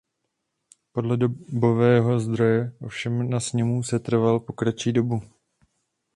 Podle dobového zdroje ovšem na sněmu setrval po kratší dobu.